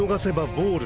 ボール。